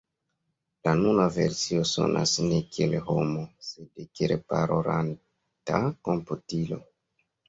La nuna versio sonas ne kiel homo, sed kiel parolanta komputilo.